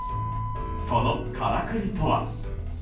そのからくりとは。